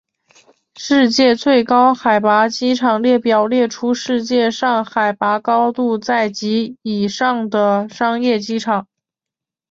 世界最高海拔机场列表列出世界上海拔高度在及以上的商业机场。